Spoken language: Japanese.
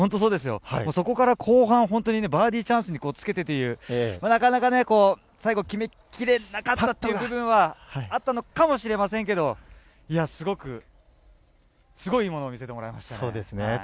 そこから後半、バーディーチャンスにつけてという、なかなか決めきれなかった部分はあったのかもしれませんけれども、すごいものを見せてもらいました。